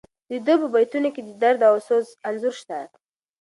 د ده په بیتونو کې د درد او سوز انځور شته.